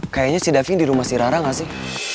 kayanya si davi di rumah si rara gak sih